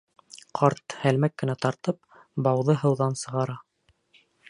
Ҡарт, һәлмәк кенә тартып, бауҙы һыуҙан сығара.